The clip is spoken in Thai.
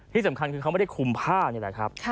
ที่สำคัญคือเขาไม่ได้คุมผ้านี่แหละครับ